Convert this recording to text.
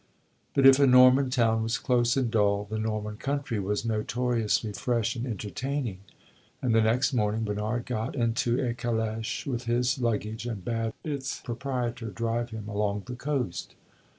But if a Norman town was close and dull, the Norman country was notoriously fresh and entertaining, and the next morning Bernard got into a caleche, with his luggage, and bade its proprietor drive him along the coast.